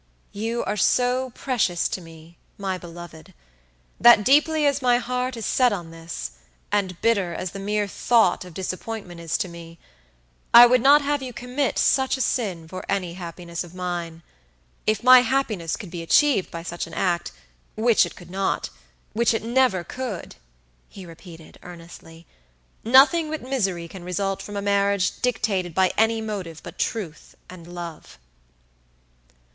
You are so precious to me, my beloved, that deeply as my heart is set on this, and bitter as the mere thought of disappointment is to me, I would not have you commit such a sin for any happiness of mine. If my happiness could be achieved by such an act, which it could notwhich it never could," he repeated, earnestly"nothing but misery can result from a marriage dictated by any motive but truth and love."